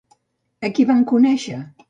A qui van conèixer?